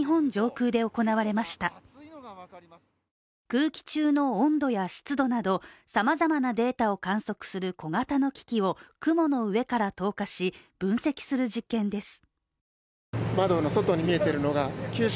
空気中の温度や湿度などさまざまなデータを観測する小型の機器を雲の上から投下し分析する実験です。